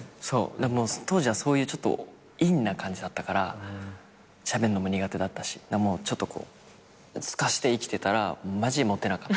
でも当時はそういうちょっと陰な感じだったからしゃべんのも苦手だったしちょっとすかして生きてたらマジモテなかった。